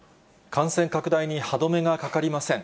感染拡大に歯止めがかかりません。